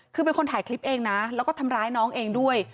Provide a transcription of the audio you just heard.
คือเป็นคนถ่ายคลิปเองนะแล้วก็ทำร้ายน้องเองด้วย